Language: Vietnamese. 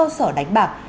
do sở đánh bạc